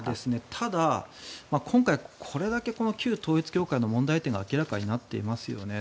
ただ、今回これだけ旧統一教会の問題点が明らかになっていますよね。